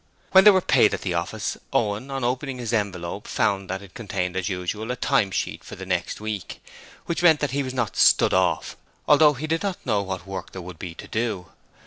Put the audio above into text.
When they were paid at the office, Owen on opening his envelope found it contained as usual, a time sheet for the next week, which meant that he was not 'stood off' although he did not know what work there would be to do.